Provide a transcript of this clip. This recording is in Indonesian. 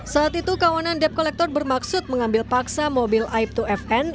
saat itu kawanan depkolektor bermaksud mengambil paksa mobil aibto fn